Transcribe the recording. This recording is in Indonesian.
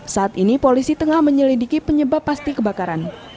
saat ini polisi tengah menyelidiki penyebab pasti kebakaran